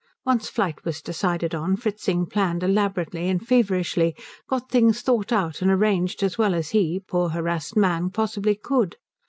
Once flight was decided on Fritzing planned elaborately and feverishly, got things thought out and arranged as well as he, poor harassed man, possibly could.